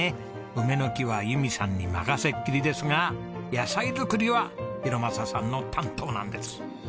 梅の木は由美さんに任せっきりですが野菜作りは博正さんの担当なんです。